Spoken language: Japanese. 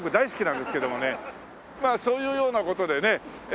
まあそういうような事でね。